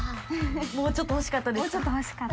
もうちょっとほしかったですか？